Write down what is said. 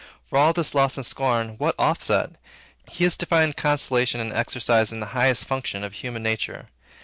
For all this loss and scorn, what offset? He is to find consolation in exercising the highest functions of human nature.